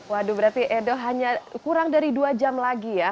waduh berarti edo hanya kurang dari dua jam lagi ya